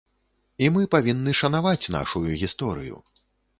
І мы павінны шанаваць нашую гісторыю.